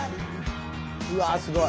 うわすごい。